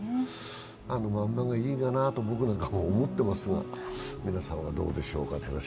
あのままがいいなと僕なんかは思っていますが皆さんはどうでしょう。